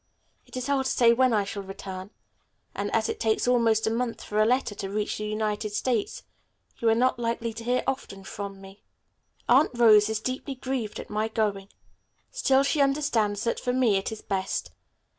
It is hard to say when I shall return, and, as it takes almost a month for a letter to reach the United States, you are not likely to hear often from me. "Aunt Rose is deeply grieved at my going. Still she understands that, for me, it is best.